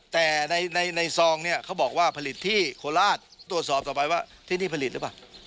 แต่ในในซองเนี่ยเขาบอกว่าผลิตที่โคราชตรวจสอบต่อไปว่าที่นี่ผลิตหรือเปล่า